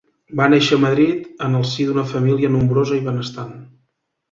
Va néixer a Madrid en el si d'una família nombrosa i benestant.